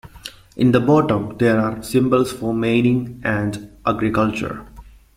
In the bottom there are symbols for mining and agriculture.